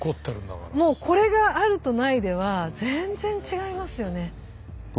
もうこれがあるとないでは全然違いますよね。